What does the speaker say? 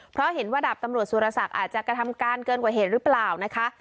เพราะเห็นว่าดาบตำรวจสุรศักดิ์อาจจะกระทำการเกินกว่าเหตุหรือเปล่านะคะ